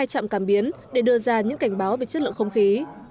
một mươi hai trạm cảm biến để đưa ra những cảnh báo về chất lượng không khí